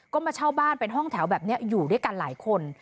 ก็มาเช่าบ้านเป็นห้องแถวแบบนี้อยู่ด้วยกันหลายคน